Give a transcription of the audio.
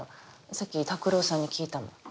さっき拓郎さんに聞いたもん。